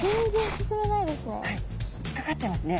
引っかかっちゃいますね。